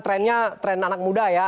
trendnya tren anak muda ya